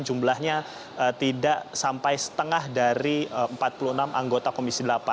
jumlahnya tidak sampai setengah dari empat puluh enam anggota komisi delapan